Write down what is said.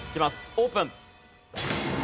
オープン。